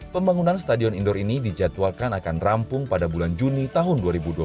pembangunan stadion indoor ini dijadwalkan akan rampung pada bulan juni tahun dua ribu dua puluh satu